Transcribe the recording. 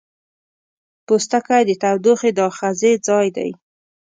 پوستکی د تودوخې د آخذې ځای دی.